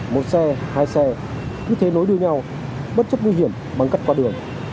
một xe hai xe cứ thế nối điêu nhau bất chấp nguy hiểm bằng cắt qua đường